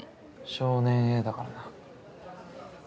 少年Ａだからな。